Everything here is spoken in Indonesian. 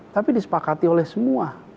tapi disepakati oleh semua